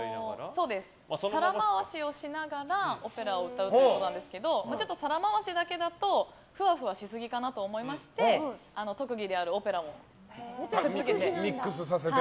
皿回しをしながら、オペラを歌うということなんですがちょっと皿回しだけだとふわふわしすぎかなと思いましてミックスさせて。